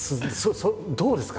どうですか？